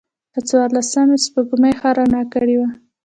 د څوارلسمم سپوږمۍ ښه رڼا کړې وه.